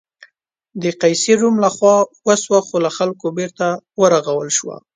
د قیصر روم له خوا وسوه خو له خلکو بېرته ورغول شوه.